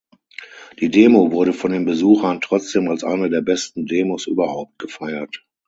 Die Demo wurde von den Besuchern trotzdem als eine der besten Demos überhaupt gefeiert.